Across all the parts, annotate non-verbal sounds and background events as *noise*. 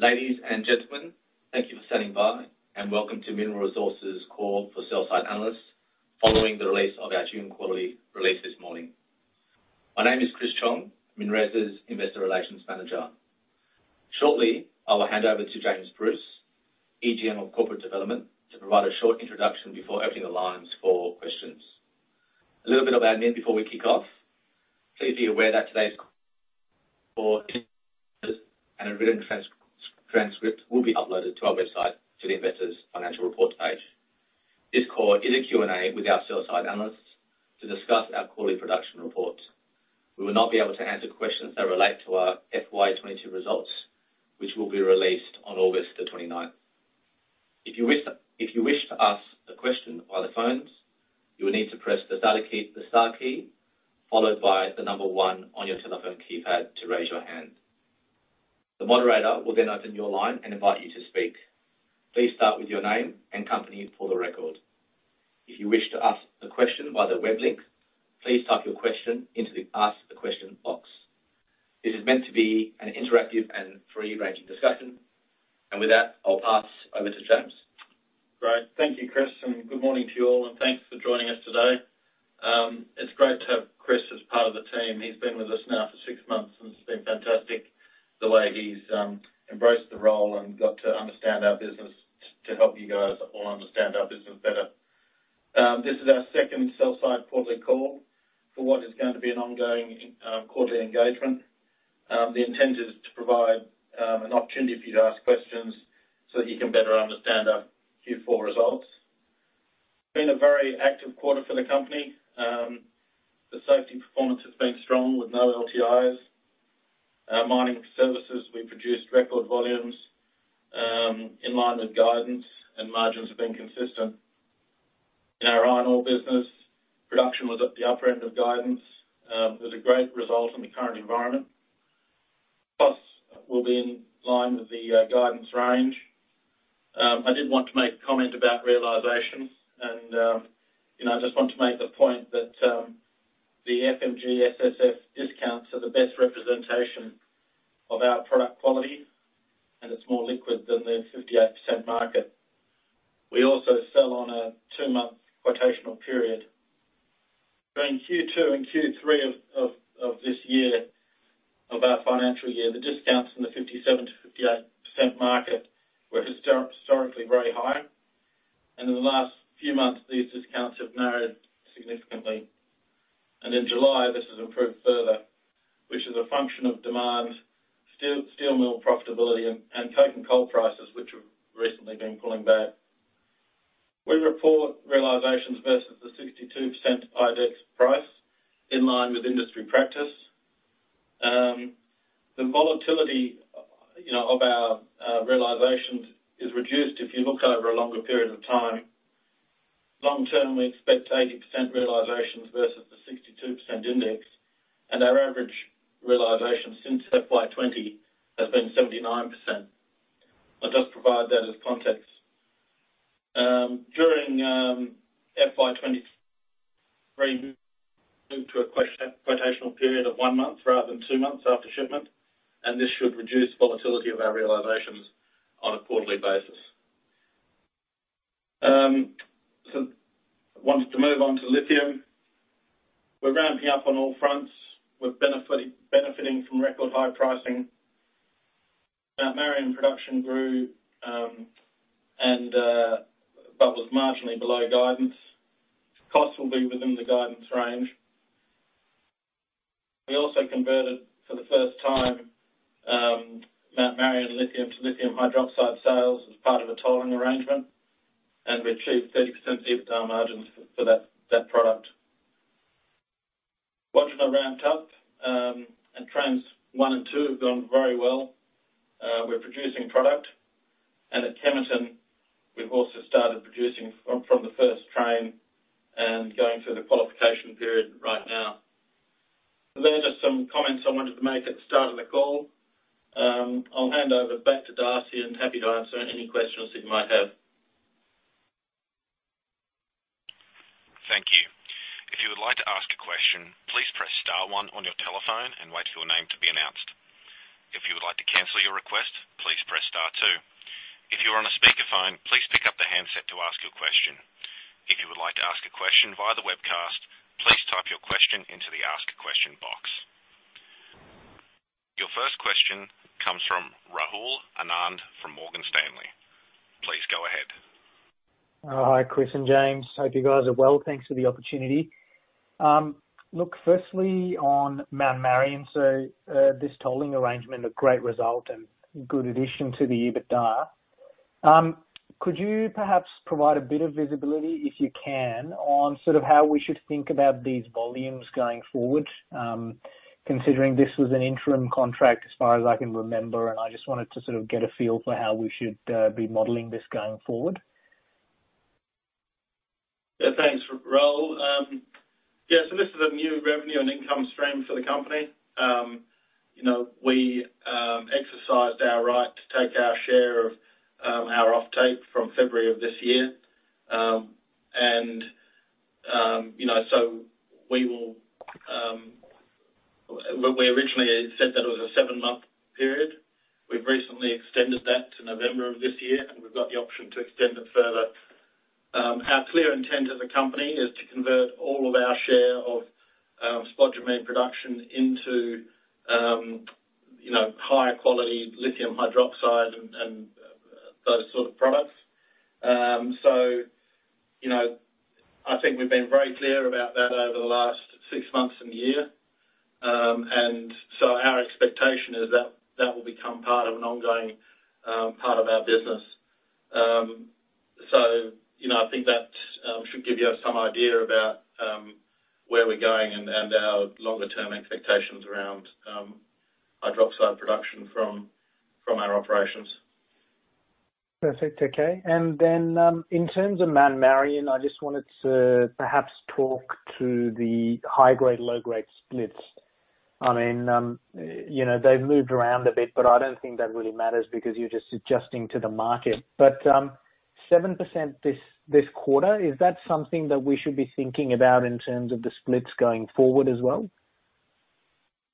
Ladies and gentlemen, thank you for standing by, and welcome to Mineral Resources' call for sell-side analysts following the release of our June quarterly release this morning. My name is Chris Chong, MinRes' Investor Relations Manager. Shortly, I will hand over to James Bruce, EGM of Corporate Development, to provide a short introduction before opening the lines for questions. A little bit of admin before we kick off. Please be aware that today's call and a written transcript will be uploaded to our website to the investors' financial report page. This call is a Q&A with our sell-side analysts to discuss our quarterly production report. We will not be able to answer questions that relate to our FY 2022 results, which will be released on August 29th. If you wish to ask a question via the phones, you will need to press the data key, the star key, followed by the number one on your telephone keypad to raise your hand. The moderator will then open your line and invite you to speak. Please start with your name and company for the record. If you wish to ask a question via the web link, please type your question into the Ask the Question box. This is meant to be an interactive and free-ranging discussion. With that, I'll pass over to James. Great. Thank you, Chris, and good morning to you all, and thanks for joining us today. It's great to have Chris as part of the team. He's been with us now for six months, and it's been fantastic the way he's embraced the role and got to understand our business to help you guys all understand our business better. This is our second sell-side quarterly call for what is going to be an ongoing quarterly engagement. The intent is to provide an opportunity for you to ask questions so that you can better understand our Q4 results. It's been a very active quarter for the company. The safety performance has been strong with no LTIs. Our mining services, we produced record volumes in line with guidance, and margins have been consistent. In our iron ore business, production was at the upper end of guidance, with a great result in the current environment. We'll be in line with the guidance range. I did want to make a comment about realizations and, you know, I just want to make the point that the FMG SSF discounts are the best representation of our product quality, and it's more liquid than the 58% market. We also sell on a two-month quotational period. During Q2 and Q3 of this year of our financial year, the discounts in the 57%-58% market were historically very high. In the last few months, these discounts have narrowed significantly. In July, this has improved further, which is a function of demand, steel mill profitability and coking coal prices, which have recently been pulling back. We report realizations versus the 62% index price in line with industry practice. The volatility, you know, of our realizations is reduced if you look over a longer period of time. Long term, we expect 80% realizations versus the 62% index, and our average realization since FY 2020 has been 79%. I just provide that as context. During FY 2023, moved to a quotational period of one month rather than two months after shipment, and this should reduce volatility of our realizations on a quarterly basis. Wanted to move on to lithium. We're ramping up on all fronts. We're benefiting from record high pricing. Mount Marion production grew but was marginally below guidance. Costs will be within the guidance range. We also converted for the first time, Mount Marion lithium to lithium hydroxide sales as part of a tolling arrangement, and we achieved 30% EBITDA margins for that product. Wodgina ramped up, and Trains 1 and Trains 2 have gone very well. We're producing product. At Kemerton, we've also started producing from the first Train and going through the qualification period right now. They're just some comments I wanted to make at the start of the call. I'll hand over back to Darcy and happy to answer any questions that you might have. Thank you. If you would like to ask a question, please press star one on your telephone and wait for your name to be announced. If you would like to cancel your request, please press star two. If you are on a speakerphone, please pick up the handset to ask your question. If you would like to ask a question via the webcast, please type your question into the Ask a Question box. Your first question comes from Rahul Anand from Morgan Stanley. Please go ahead. Hi, Chris and James. Hope you guys are well. Thanks for the opportunity. Look, firstly on Mount Marion, this tolling arrangement, a great result and good addition to the EBITDA. Could you perhaps provide a bit of visibility, if you can, on sort of how we should think about these volumes going forward, considering this was an interim contract as far as I can remember? I just wanted to sort of get a feel for how we should be modeling this going forward. Yeah, thanks, Rahul. This is a new revenue and income stream for the company. We exercised our right to take our share of our offtake from February of this year. We originally said that it was a seven-month period. We've recently extended that to November of this year, and we've got the option to extend it further. Our clear intent as a company is to convert all of our share of spodumene production into higher quality lithium hydroxide and those sort of products. I think we've been very clear about that over the last six months and year. Our expectation is that that will become part of an ongoing part of our business. You know, I think that should give you some idea about where we're going and our longer term expectations around hydroxide production from our operations. Perfect. Okay. In terms of Mount Marion, I just wanted to perhaps talk to the high grade, low grade splits. I mean, you know, they've moved around a bit, but I don't think that really matters because you're just adjusting to the market. 7% this quarter, is that something that we should be thinking about in terms of the splits going forward as well?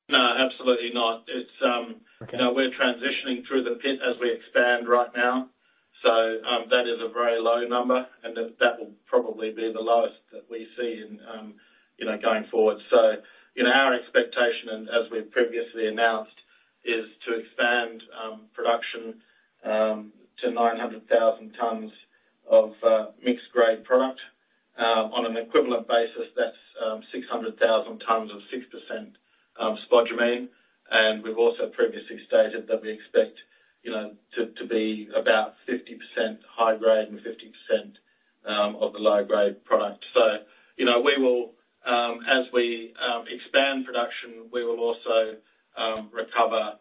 No, absolutely not. Okay. It's, you know, we're transitioning through the pit as we expand right now. That is a very low number and that will probably be the lowest that we see in, you know, going forward. You know, our expectation and as we've previously announced, is to expand production to 900,000 tons of mixed grade product. On an equivalent basis, that's 600,000 tons of 6% spodumene. We've also previously stated that we expect, you know, to be about 50% high grade and 50% of the low grade product. You know, we will, as we expand production, we will also recover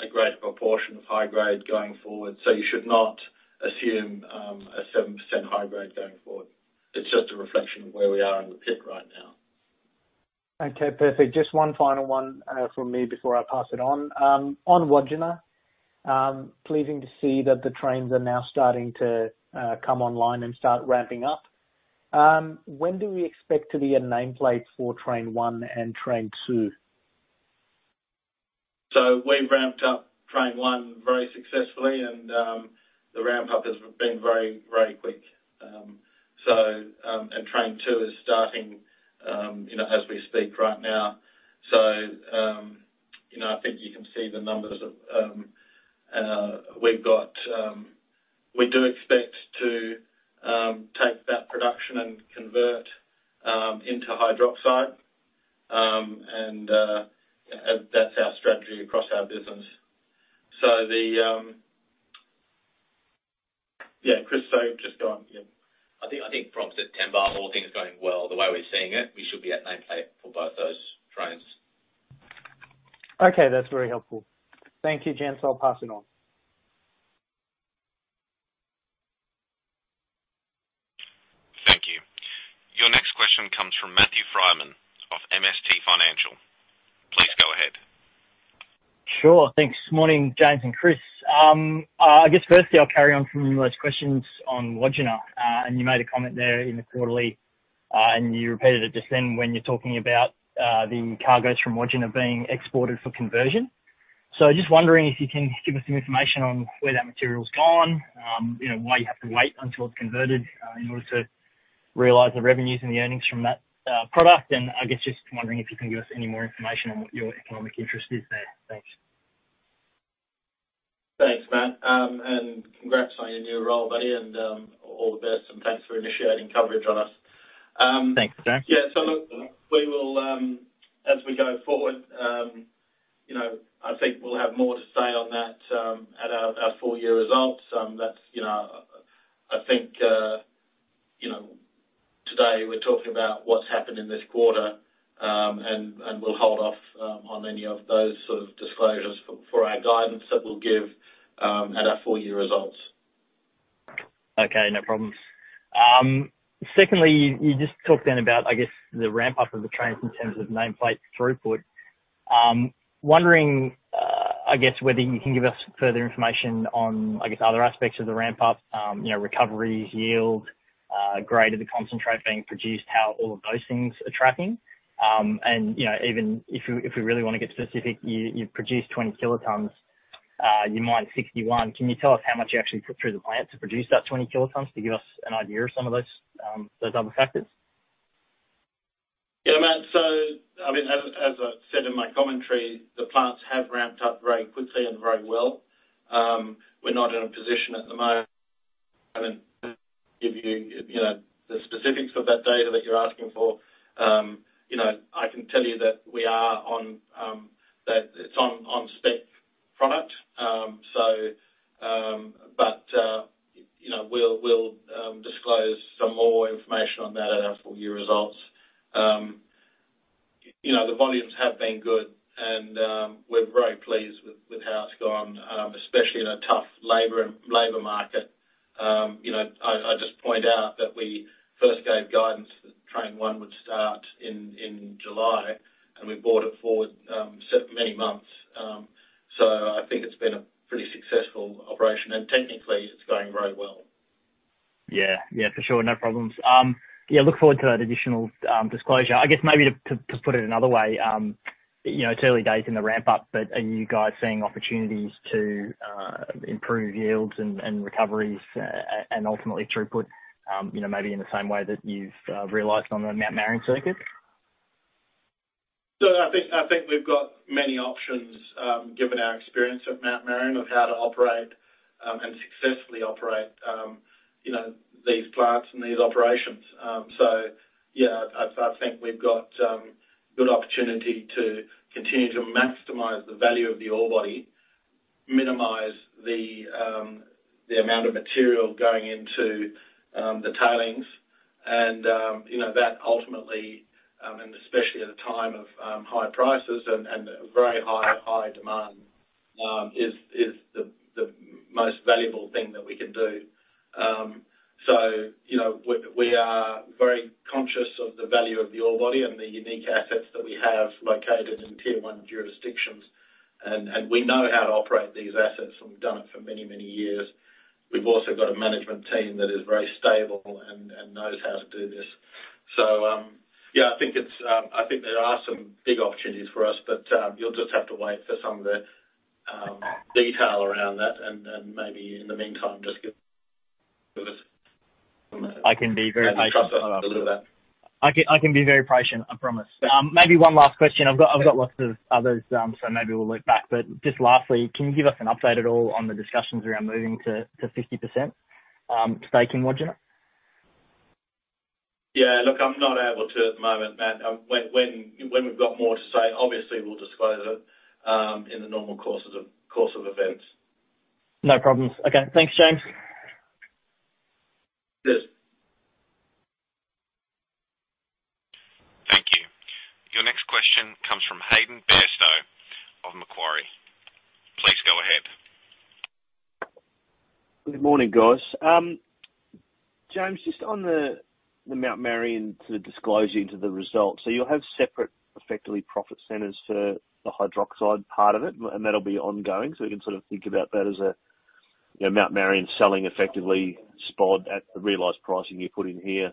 a greater proportion of high grade going forward. You should not assume a 7% high grade going forward. It's just a reflection of where we are in the pit right now. Okay. Perfect. Just one final one from me before I pass it on. On Wodgina, pleasing to see that the Trains are now starting to come online and start ramping up. When do we expect to be at nameplate for Train 1 and Train 2? We've ramped up Train 1 very successfully and the ramp up has been very, very quick. Train 2 is starting, you know, as we speak right now. You know, I think you can see the numbers we've got. We do expect to take that production and convert into hydroxide. That's our strategy across our business. Yeah, Chris, just go on. Yeah. I think from September, all things going well, the way we're seeing it, we should be at nameplate for both those Trains. Okay. That's very helpful. Thank you, gents. I'll pass it on. Thank you. Your next question comes from Matthew Frydman of MST Financial. Please go ahead. Sure. Thanks. Morning, James and Chris. I guess firstly, I'll carry on from those questions on Wodgina. You made a comment there in the quarterly, and you repeated it just then when you're talking about the cargoes from Wodgina being exported for conversion. Just wondering if you can give us some information on where that material's gone, you know, why you have to wait until it's converted in order to realize the revenues and the earnings from that product? I guess just wondering if you can give us any more information on what your economic interest is there? Thanks. Thanks, Matt. Congrats on your new role, buddy, and all the best. Thanks for initiating coverage on us. Thanks, James. Yeah. Look, we will, as we go forward, you know, I think we'll have more to say on that at our full year results. That's, you know, I think, you know, today we're talking about what's happened in this quarter, and we'll hold off on any of those sort of disclosures for our guidance that we'll give at our full year results. Okay. No problems. Secondly, you just talked then about, I guess, the ramp up of the Trains in terms of nameplate throughput. Wondering whether you can give us further information on, I guess, other aspects of the ramp up, you know, recoveries, yield, grade of the concentrate being produced, how all of those things are tracking. You know, even if we really wanna get specific, you've produced 20 kilotons, you mined 61. Can you tell us how much you actually put through the plant to produce that 20 kilotons to give us an idea of some of those other factors? Yeah, Matt. I mean, as I said in my commentary, the plants have ramped up very quickly and very well. We're not in a position *audio distortion* to give you know, the specifics of that data that you're asking for. You know, I can tell you that we are on, that it's on spec product. You know, we'll disclose some more information on that at our full year results. You know, the volumes have been good, and we're very pleased with how it's gone, especially in a tough labor market. You know, I just point out that we first gave guidance that Train 1 would start in July, and we brought it forward many months, so I think it's been a pretty successful operation, and technically it's going very well. Yeah. Yeah, for sure. No problems. Yeah, look forward to that additional disclosure. I guess maybe to put it another way, you know, it's early days in the ramp up, but are you guys seeing opportunities to improve yields and recoveries, and ultimately throughput, you know, maybe in the same way that you've realized on the Mount Marion circuit? I think we've got many options, given our experience at Mount Marion of how to operate and successfully operate, you know, these plants and these operations. Yeah, I think we've got good opportunity to continue to maximize the value of the ore body, minimize the amount of material going into the tailings and, you know, that ultimately and especially at a time of high prices and very high demand is the most valuable thing that we can do. You know, we are very conscious of the value of the ore body and the unique assets that we have located in tier one jurisdictions. We know how to operate these assets, and we've done it for many years. We've also got a management team that is very stable and knows how to do this. Yeah, I think there are some big opportunities for us, but you'll just have to wait for some of the detail around that and maybe in the meantime, just give us. I can be very patient. *crosstalk* I can be very patient, I promise. Maybe one last question. I've got lots of others, so maybe we'll loop back. Just lastly, can you give us an update at all on the discussions around moving to 50% staking Wodgina? Yeah. Look, I'm not able to at the moment, Matt. When we've got more to say, obviously we'll disclose it in the normal course of events. No problems. Okay. Thanks, James. Cheers. Thank you. Your next question comes from Hayden Bairstow of Macquarie. Please go ahead. Good morning, guys. James, just on the Mount Marion sort of disclosure into the results. You'll have separate, effectively profit centers for the hydroxide part of it, and that'll be ongoing. We can sort of think about that as a, you know, Mount Marion selling effectively spod at the realized pricing you put in here.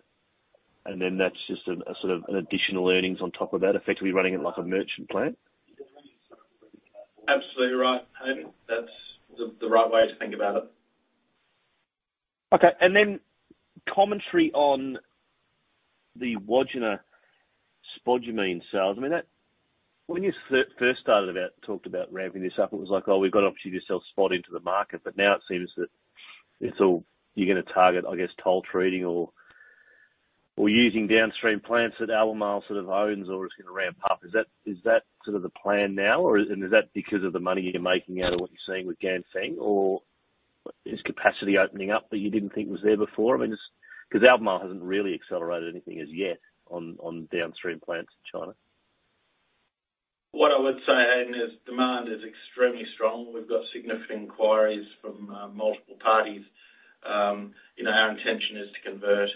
Then that's just a sort of an additional earnings on top of that, effectively running it like a merchant plant. Absolutely right, Hayden. That's the right way to think about it. Okay. Commentary on the Wodgina spodumene sales. I mean, that. When you first talked about ramping this up, it was like, "Oh, we've got an opportunity to sell spod into the market." Now it seems that it's all you're gonna target, I guess, toll treating or using downstream plants that Albemarle sort of owns or is gonna ramp up. Is that sort of the plan now, or is that because of the money you're making out of what you're seeing with Ganfeng? Is capacity opening up that you didn't think was there before? I mean, just 'cause Albemarle hasn't really accelerated anything as yet on downstream plants in China. What I would say, Hayden, is demand is extremely strong. We've got significant inquiries from multiple parties. You know, our intention is to convert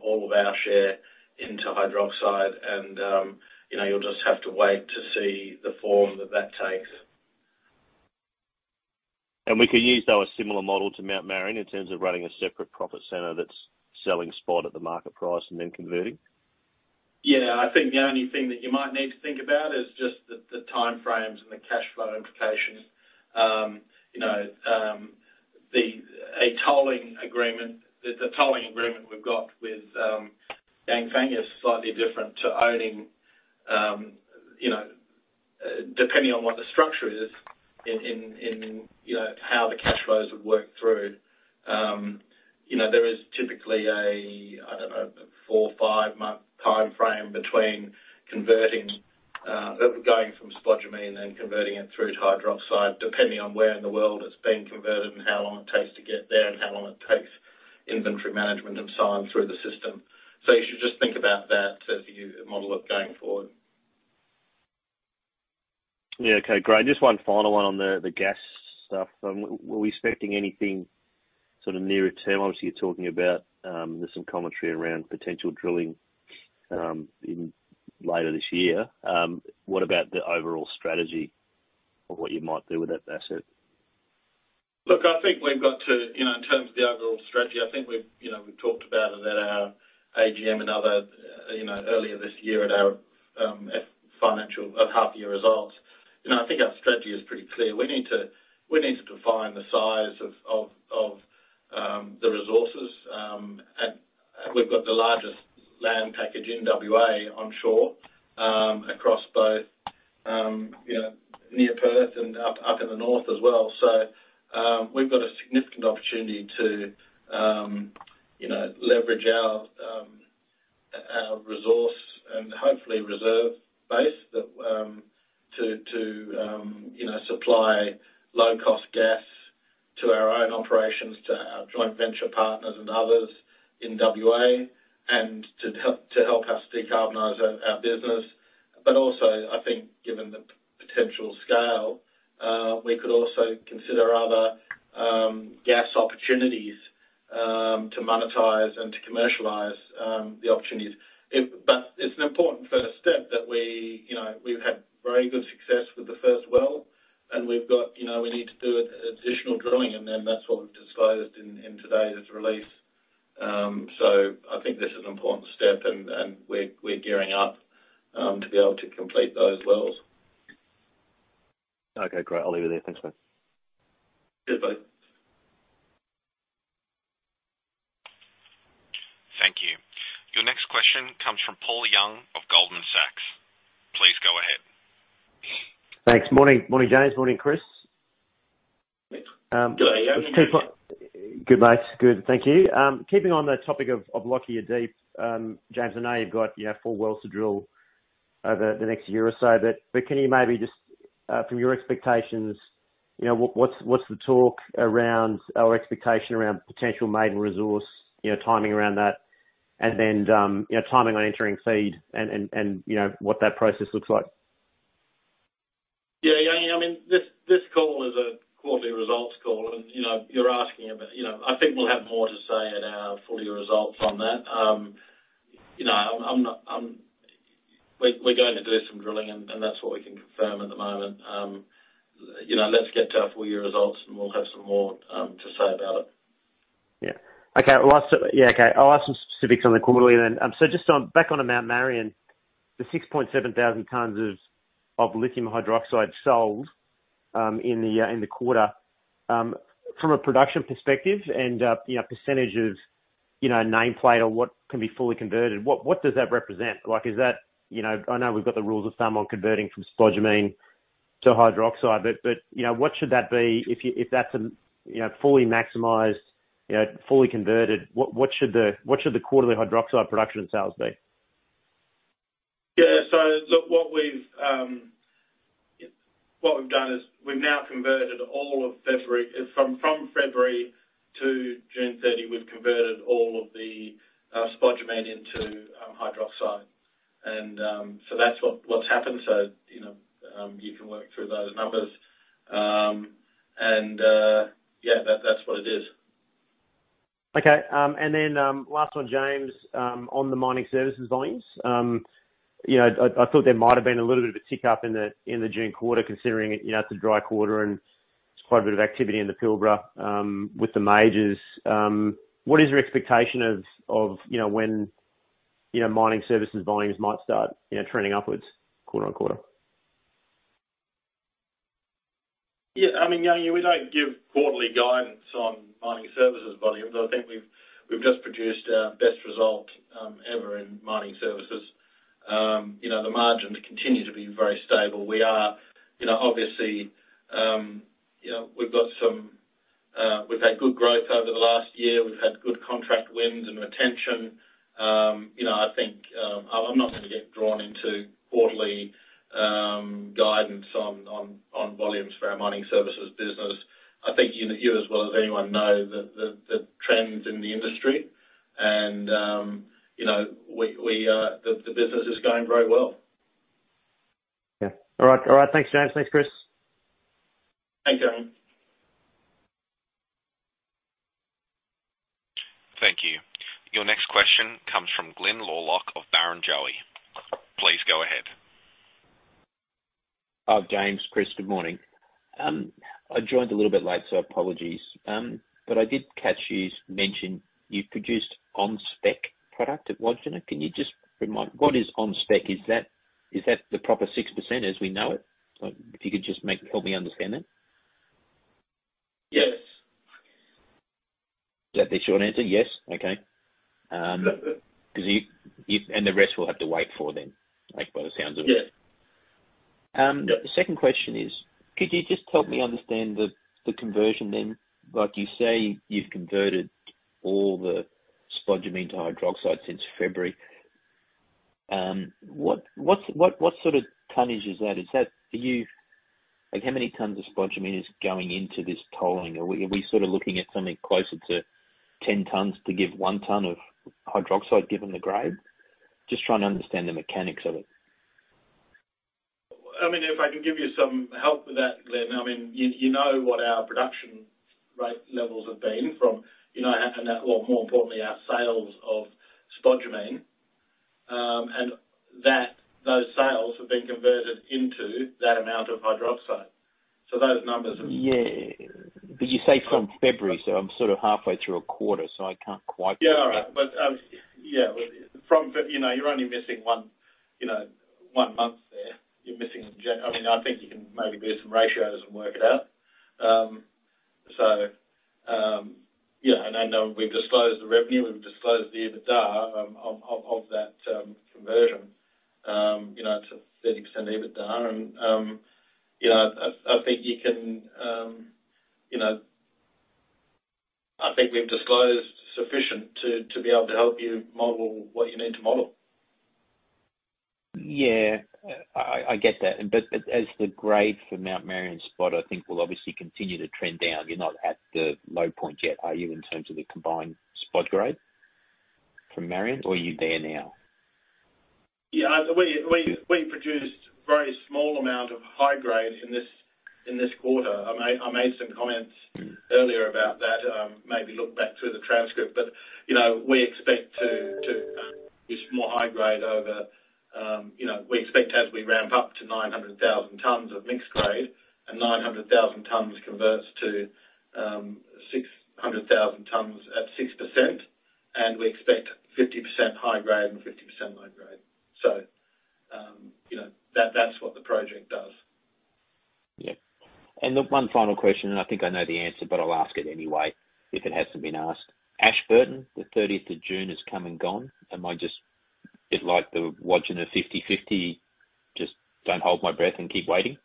all of our share into hydroxide and, you know, you'll just have to wait to see the form that that takes. We can use, though, a similar model to Mount Marion in terms of running a separate profit center that's selling spod at the market price and then converting? Yeah. I think the only thing that you might need to think about is just the timeframes and the cash flow implications. You know, the tolling agreement we've got with Ganfeng is slightly different to owning, you know, depending on what the structure is in how the cash flows would work through. You know, there is typically, I don't know, a four- or five-month timeframe between going from spodumene and converting it through to hydroxide, depending on where in the world it's being converted and how long it takes to get there and how long it takes inventory management and so on through the system. You should just think about that as you model it going forward. Yeah. Okay, great. Just one final one on the gas stuff. Were we expecting anything sort of nearer term? Obviously, you're talking about, there's some commentary around potential drilling in later this year. What about the overall strategy of what you might do with that asset? Look, I think we've got to, you know, in terms of the overall strategy, I think we've, you know, we've talked about it at our AGM and other, you know, earlier this year at our financial half year results. You know, I think our strategy is pretty clear. We need to define the size of the resources. We've got the largest land package in WA onshore, across both, you know, near Perth and up in the north as well. We've got a significant opportunity to, You know, timing on entering FEED and, you know, what that process looks like. Yeah. I mean, this call is a quarterly results call and, you know, you're asking about, you know. I think we'll have more to say at our full year results on that. You know, I'm not. We're going to do some drilling and that's what we can confirm at the moment. You know, let's get to our full year results, and we'll have some more to say about it. I'll ask some specifics on the quarterly then. Just on, back on to Mount Marion, the 6,700 tons of lithium hydroxide sold in the quarter. From a production perspective and, you know, percentage of, you know, nameplate or what can be fully converted, what does that represent? Like, is that, you know? I know we've got the rules of thumb on converting from spodumene to hydroxide, but, you know, what should that be if that's a, you know, fully maximized, you know, fully converted, what should the quarterly hydroxide production and sales be? Yeah. Look, what we've done is we've now converted all of February. From February to June 30, we've converted all of the spodumene into hydroxide. That's what's happened. You know, you can work through those numbers. Yeah, that's what it is. Okay. Last one, James. On the mining services volumes. You know, I thought there might have been a little bit of a tick up in the June quarter considering it, you know, it's a dry quarter and there's quite a bit of activity in the Pilbara with the majors. What is your expectation of, you know, when, you know, mining services volumes might start, you know, trending upwards quarter on quarter? Yeah. I mean, you know, we don't give quarterly guidance on mining services volumes. I think we've just produced our best result ever in mining services. You know, the margins continue to be very stable. We've had good growth over the last year. We've had good contract wins and retention. You know, I think I'm not going to get drawn into quarterly guidance on volumes for our mining services business. I think you as well as anyone know the trends in the industry and you know, we, the business is going very well. Yeah. All right. Thanks, James. Thanks, Chris. Thanks, Paul. Thank you. Your next question comes from Glyn Lawcock of Barrenjoey. Please go ahead. James, Chris, good morning. I joined a little bit late, so apologies. I did catch you mention you've produced on-spec product at Wodgina. Can you just remind, what is on-spec? Is that the proper 6% as we know it? If you could just help me understand that. Yes. Is that the short answer, yes? Okay. That's it. 'Cause you. The rest we'll have to wait for then, like, by the sounds of it. Yeah. Um. Yeah. The second question is, could you just help me understand the conversion then? Like you say, you've converted all the spodumene to hydroxide since February. What sort of tonnage is that? Like how many tons of spodumene is going into this tolling? Are we sort of looking at something closer to 10 tons to give 1 ton of hydroxide given the grade? Just trying to understand the mechanics of it. I mean, if I can give you some help with that, Glyn. I mean, you know what our production rate levels have been from, you know, and that, well, more importantly, our sales of spodumene, and that those sales have been converted into that amount of hydroxide. Yeah. You say from February, so I'm sort of halfway through a quarter, so I can't quite put that. Yeah. All right. Yeah. You know, you're only missing one, you know, one month there. You're missing January. I mean, I think you can maybe do some ratios and work it out. Yeah. I know we've disclosed the revenue, we've disclosed the EBITDA, of that conversion, you know, to that extent, EBITDA. You know, I think you can, you know. I think we've disclosed sufficient to be able to help you model what you need to model. Yeah. I get that. As the grade for Mount Marion spot I think will obviously continue to trend down, you're not at the low point yet, are you, in terms of the combined spod grade from Marion, or are you there now? Yeah, we produced very small amount of high grade in this quarter. I made some comments earlier about that. Maybe look back through the transcript. You know, we expect to use more high grade over you know. We expect as we ramp up to 900,000 tons of mixed grade and 900,000 tons converts to 600,000 tons at 6%, and we expect 50% high grade and 50% low grade. You know, that's what the project does. Yeah. Look, one final question, and I think I know the answer, but I'll ask it anyway if it hasn't been asked. Ashburton, the 30th of June has come and gone. Am I just a bit like the odds of 50/50, just don't hold my breath and keep waiting?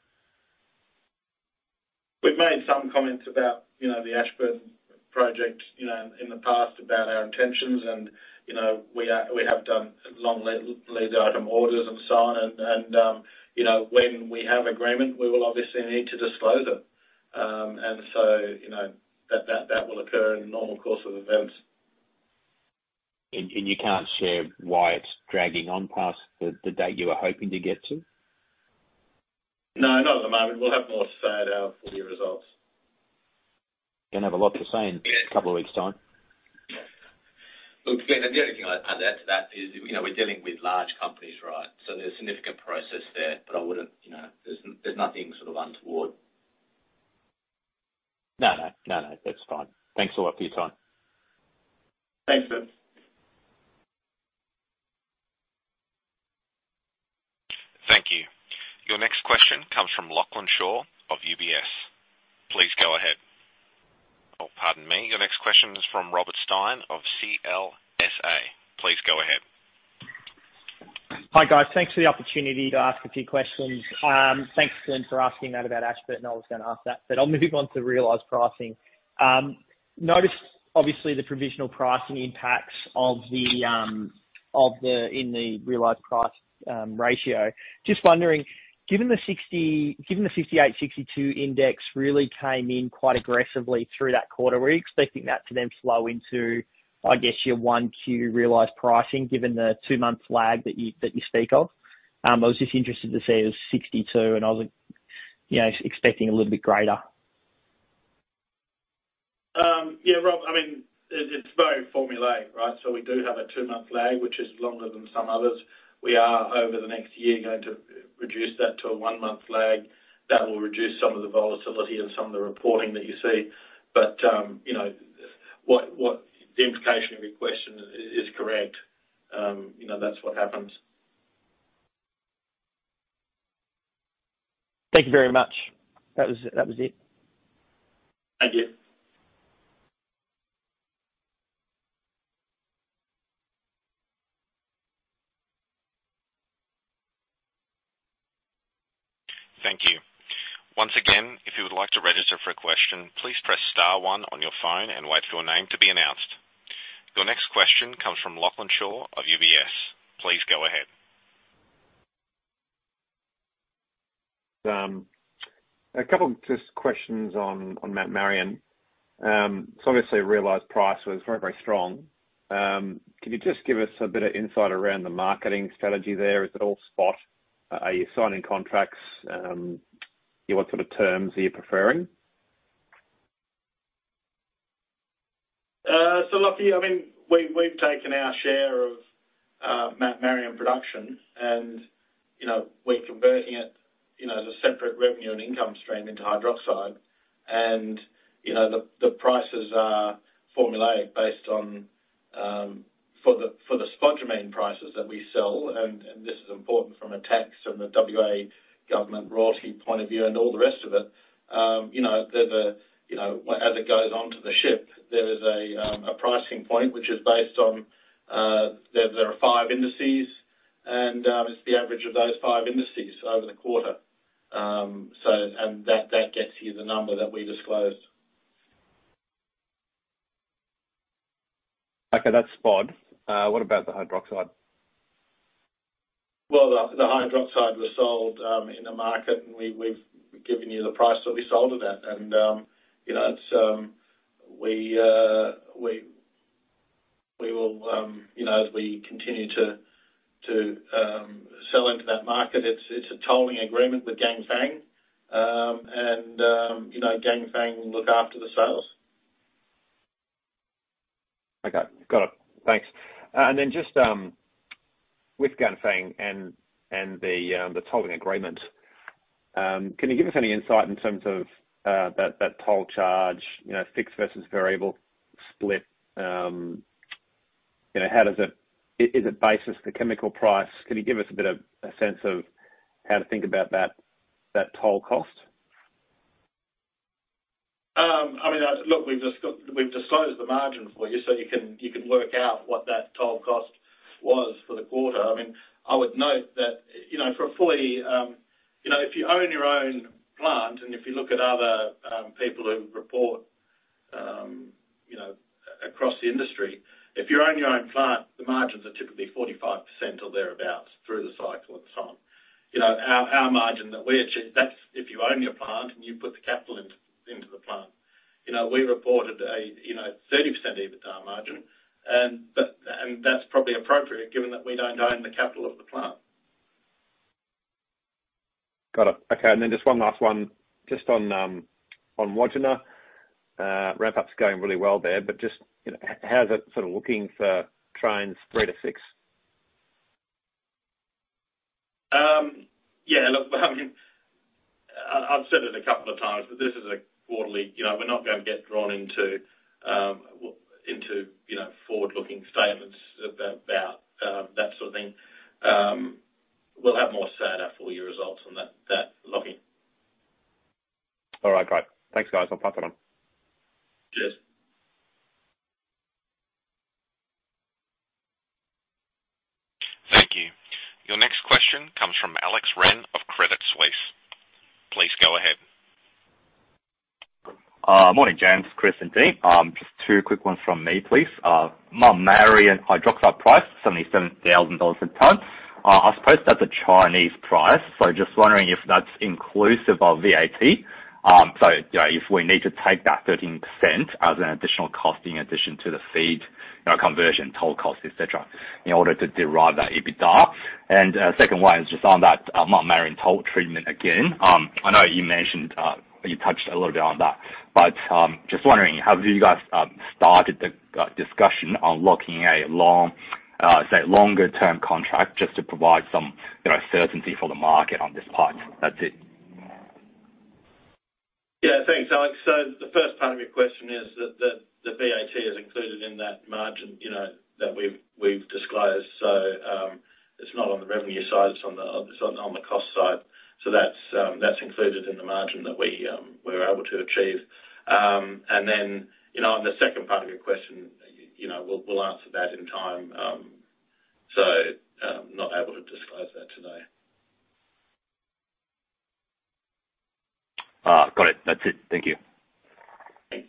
We've made some comments about, you know, the Ashburton project, you know, in the past about our intentions and, you know, we have done long lead item orders and so on. You know, when we have agreement, we will obviously need to disclose it. You know, that will occur in the normal course of events. You can't share why it's dragging on past the date you were hoping to get to? No, not at the moment. We'll have more to say at our full year results. Gonna have a lot to say in a couple of weeks' time. Yeah. Look, Glyn, the only thing I'd add to that is, you know, we're dealing with large companies, right? There's significant process there, but I wouldn't, you know. There's nothing sort of untoward. No, no. That's fine. Thanks a lot for your time. Thanks, Glyn. Thank you. Your next question comes from Lachlan Shaw of UBS. Please go ahead. Oh, pardon me. Your next question is from Rob Stein of CLSA. Please go ahead. Hi, guys. Thanks for the opportunity to ask a few questions. Thanks, Glyn, for asking that about Ashburton. I was gonna ask that. I'll move on to realized pricing. Noticed obviously the provisional pricing impacts of the in the realized price ratio. Just wondering, given the 68%, 62% index really came in quite aggressively through that quarter, were you expecting that to then flow into, I guess, your 1Q realized pricing given the two-month lag that you speak of? I was just interested to see it was 62%, and I was, you know, expecting a little bit greater. Yeah, Rob, I mean, it's very formulaic, right? We do have a two-month lag, which is longer than some others. We are over the next year going to reduce that to a one-month lag. That will reduce some of the volatility and some of the reporting that you see. You know, what the implication of your question is correct. You know, that's what happens. Thank you very much. That was it. Thank you. Thank you. Once again, if you would like to register for a question, please press star one on your phone and wait for your name to be announced. Your next question comes from Lachlan Shaw of UBS. Please go ahead. A couple of questions on Mount Marion. Obviously realized price was very, very strong. Can you just give us a bit of insight around the marketing strategy there? Is it all spot? Are you signing contracts? What sort of terms are you preferring? So Lachlan, I mean, we've taken our share of Mount Marion production and, you know, we're converting it, you know, as a separate revenue and income stream into hydroxide. You know, the prices are formulaic based on the spodumene prices that we sell, and this is important from a tax and the WA government royalty point of view and all the rest of it, you know, as it goes onto the ship, there is a pricing point which is based on there are five indices and it's the average of those five indices over the quarter. That gets you the number that we disclosed. Okay, that's spod. What about the hydroxide? Well, the hydroxide was sold in the market and we've given you the price that we sold it at. You know, as we continue to sell into that market, it's a tolling agreement with Ganfeng. You know, Ganfeng look after the sales. Okay. Got it. Thanks. Just with Ganfeng and the tolling agreement, can you give us any insight in terms of that toll charge, you know, fixed versus variable split? You know, is it based on the chemical price? Can you give us a bit of a sense of how to think about that toll cost? I mean, look, we've disclosed the margin for you, so you can work out what that toll cost was for the quarter. I mean, I would note that, you know, for a fully, you know, if you own your own plant and if you look at other people who report, you know, across the industry. If you own your own plant, the margins are typically 45% or thereabout through the cycle and so on. You know, our margin that we achieve, that's if you own your plant and you put the capital into the. You know, we reported a 30% EBITDA margin, and that's probably appropriate given that we don't own the capital of the plant. Got it. Okay. Just one last one just on Wodgina. Ramp up's going really well there, but just, you know, how's it sort of looking for Train 3 to Train 6? Yeah, look, I mean, I've said it a couple of times, but this is a quarterly. You know, we're not gonna get drawn into you know forward-looking statements about that sort of thing. We'll have more to say at our full year results on that Lachlan. All right, great. Thanks, guys. I'll pass that on. Cheers. Thank you. Your next question comes from Alex Ren of Credit Suisse. Please go ahead. Morning, James, Chris, and team. Just two quick ones from me, please. Mount Marion hydroxide price, $77,000 a ton. I suppose that's a Chinese price. Just wondering if that's inclusive of VAT? You know, if we need to take that 13% as an additional cost in addition to the feed, you know, conversion, toll cost, etc., in order to derive that EBITDA? Second one is just on that, Mount Marion toll treatment again. I know you mentioned, you touched a little bit on that, but, just wondering, have you guys started the discussion on locking a long, say, longer-term contract just to provide some, you know, certainty for the market on this part? That's it. Yeah. Thanks, Alex. The first part of your question is that the VAT is included in that margin, you know, that we've disclosed. It's not on the revenue side, it's on the cost side. That's included in the margin that we're able to achieve. You know, on the second part of your question, you know, we'll answer that in time. Not able to disclose that today. Got it. That's it. Thank you. Thanks.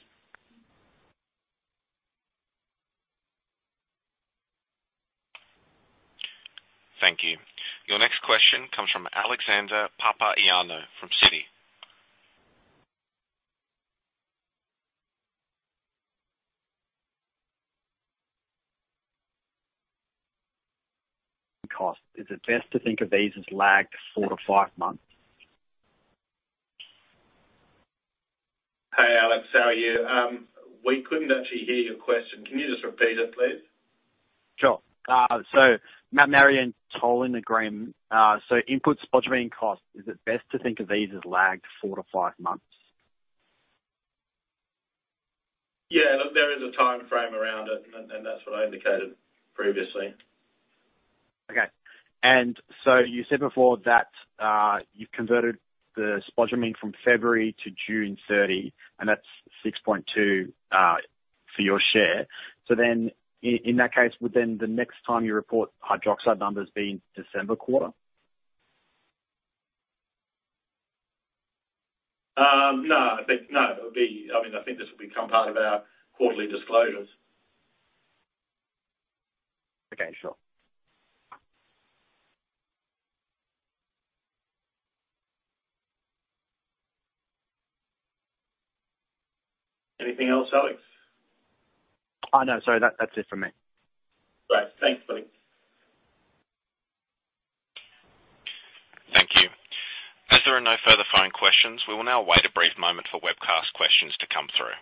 Thank you. Your next question comes from Alexander Papaioanou from Citi. *audio distortion* cost. Is it best to think of these as lagged four to five months? Hey, Alex, how are you? We couldn't actually hear your question. Can you just repeat it, please? Sure. Mount Marion tolling agreement. Input spodumene cost, is it best to think of these as lagged 4four to five months? Yeah. There is a timeframe around it, and that's what I indicated previously. Okay. You said before that, you've converted the spodumene from February to June 30, and that's 6.2% for your share. In that case, would the next time you report hydroxide numbers be in December quarter? No. I mean, I think this will become part of our quarterly disclosures. Okay, sure. Anything else, Alex? No. Sorry. That's it from me. Great. Thanks, buddy. Thank you. As there are no further phone questions, we will now wait a brief moment for webcast questions to come through.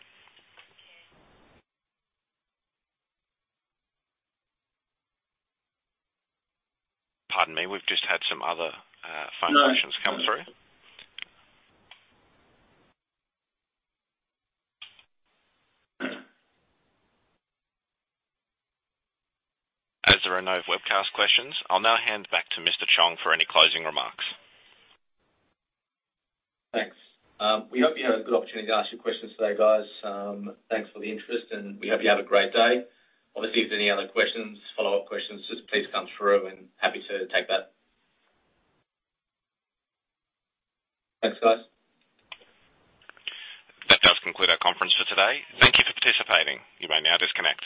Pardon me, we've just had some other, phone questions come through. No. No. As there are no webcast questions, I'll now hand back to Mr. Chong for any closing remarks. Thanks. We hope you had a good opportunity to ask your questions today, guys. Thanks for the interest, and we hope you have a great day. Obviously, if there any other questions, follow-up questions, just please come through and happy to take that. Thanks, guys. That does conclude our conference for today. Thank you for participating. You may now disconnect.